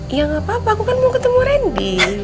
ya gak apa apa aku kan mau ketemu randy